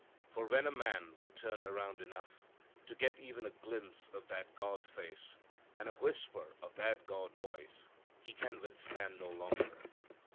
For when a man will turn around enough to get even a glimpse of that God Face, and a whisper of that God Voice, he can withstand no longer.